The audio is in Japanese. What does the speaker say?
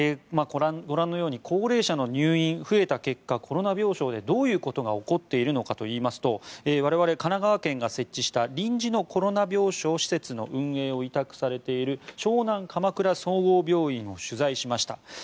ご覧のように高齢者の入院が増えた結果コロナ病床で、どういうことが起きているのかといいますと我々は神奈川県が設置した臨時のコロナ病床施設の運営を委託されている湘南鎌倉総合病院を取材しました。